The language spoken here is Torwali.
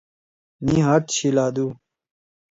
مھی ہات شیِلادُو۔